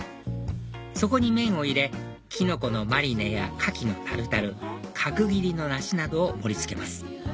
そこに麺を入れキノコのマリネや牡蠣のタルタル角切りの梨などを盛り付けます